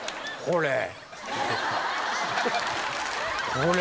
これ。